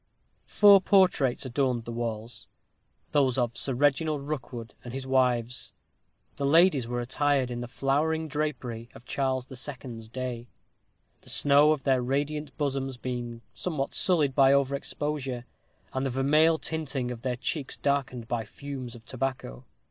Four portraits adorned the walls: those of Sir Reginald Rookwood and his wives. The ladies were attired in the flowing drapery of Charles the Second's day, the snow of their radiant bosoms being somewhat sullied by over exposure, and the vermeil tinting of their cheeks darkened by the fumes of tobacco.